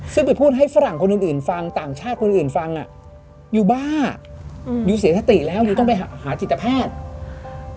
ซึ่งไปพูดให้ฝรั่งคนอื่นอื่นฟังต่างชาติคนอื่นฟังอ่ะยูบ้าอืมยูเสียสติแล้วยูต้องไปหาหาจิตแพทย์